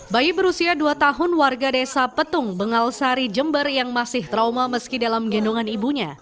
bayi berusia dua tahun warga desa petung bengal sari jember yang masih trauma meski dalam gendongan ibunya